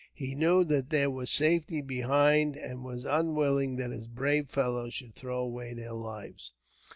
He knew that there was safety behind, and was unwilling that his brave fellows should throw away their lives.